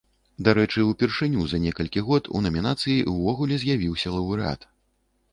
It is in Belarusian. Дарэчы, упершыню за некалькі год у намінацыі ўвогуле з'явіўся лаўрэат.